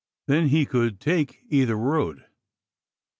Then he could take either road.